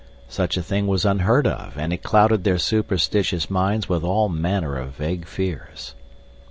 Such a thing was unheard of, and it clouded their superstitious minds with all manner of vague fears.